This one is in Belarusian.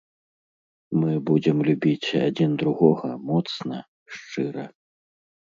Мы будзем любіць адзін другога моцна, шчыра.